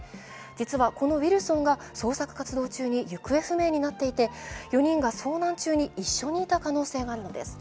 実は、このウィルソンが捜索活動中に行方不明になっていて、４人が遭難中に一緒にいた可能性があるのです。